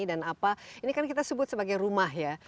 dan apa ini kan kita sebut sebagai rumah ya